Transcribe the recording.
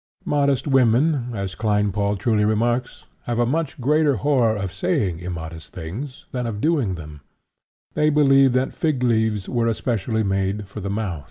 "Modest women," as Kleinpaul truly remarks, "have a much greater horror of saying immodest things than of doing them; they believe that fig leaves were especially made for the mouth."